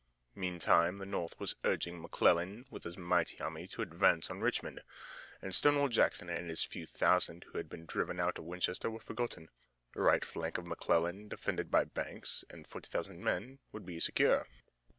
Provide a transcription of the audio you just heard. Meantime the North was urging McClellan with his mighty army to advance on Richmond, and Stonewall Jackson and his few thousands who had been driven out of Winchester were forgotten. The right flank of McClellan, defended by Banks and forty thousand men, would be secure.